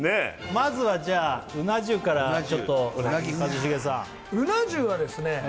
まずはじゃあうな重からちょっと一茂さんうな重はですね